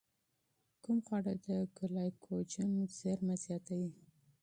کوم خواړه د ګلایکوجن زېرمه زیاتوي؟